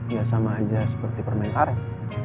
gak sama aja seperti permain karet